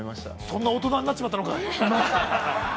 ◆そんな大人になっちまったのかい。